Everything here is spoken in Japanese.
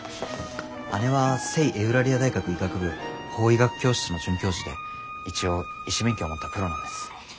姉は聖エウラリア大学医学部法医学教室の准教授で一応医師免許を持ったプロなんです。